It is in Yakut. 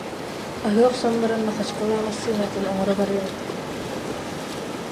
Аһыы охсон баран Махачкала массыынатын оҥоро барыам этэ